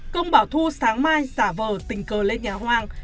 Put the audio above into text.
công bảo thu sáng mai giả vờ tình cờ lên nhà hoang